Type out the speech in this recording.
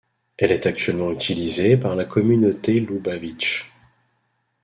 Elle est actuellement utilisée par la communauté Loubavitch.